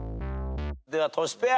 ではトシペア。